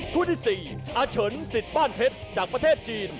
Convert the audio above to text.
คู่ที่๔อาเฉินสิทธิ์บ้านเพชรจากประเทศจีน